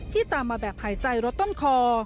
ตามมาแบบหายใจรถต้นคอ